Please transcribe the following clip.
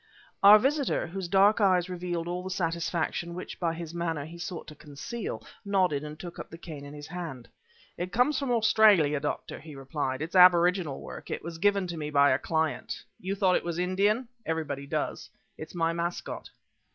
Our visitor, whose dark eyes revealed all the satisfaction which, by his manner, he sought to conceal, nodded and took up the cane in his hand. "It comes from Australia, Doctor," he replied; "it's aboriginal work, and was given to me by a client. You thought it was Indian? Everybody does. It's my mascot."